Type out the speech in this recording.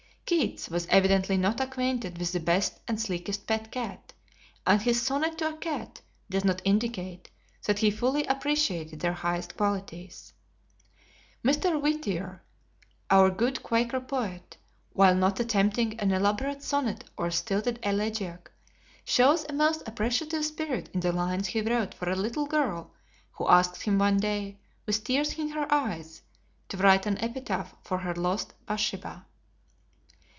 Keats was evidently not acquainted with the best and sleekest pet cat, and his "Sonnet to a Cat" does not indicate that he fully appreciated their higher qualities. Mr. Whittier, our good Quaker poet, while not attempting an elaborate sonnet or stilted elegiac, shows a most appreciative spirit in the lines he wrote for a little girl who asked him one day, with tears in her eyes, to write an epitaph for her lost Bathsheba.